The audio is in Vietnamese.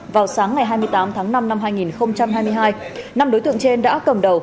vào sáng ngày hai mươi tám tháng năm năm hai nghìn hai mươi hai năm đối tượng trên đã cầm đầu